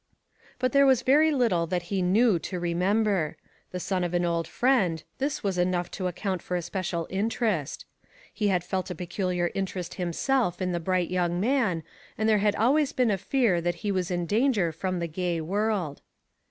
But there was very little that he knew to remember. The son of an old friend ; this was enough to account for a special interest. He had felt a peculiar interest himself in the bright young man, and there had always been a fear that he was in danger from the gay world.